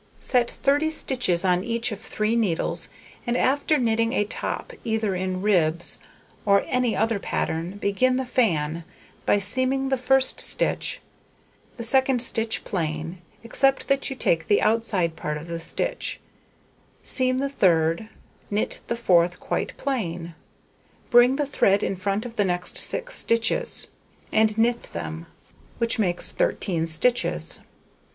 Set 30 stitches on each of 3 needles; and, after knitting a top either in ribs or any other pattern, begin the fan, by seaming the first stitch; the second stitch plain, except that you take the outside part of the stitch; seam the third; knit the fourth quite plain; bring the thread in front of the next 6 stitches, and knit them, which makes 13 stitches.